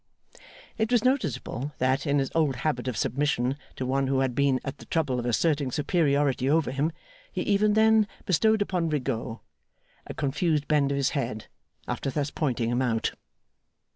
It was noticeable, that, in his old habit of submission to one who had been at the trouble of asserting superiority over him, he even then bestowed upon Rigaud a confused bend of his head, after thus pointing him out.